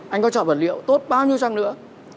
anh có chọn vật liệu tốt bao nhiêu trang nữa